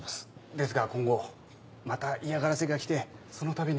ですが今後また嫌がらせが来てそのたびに。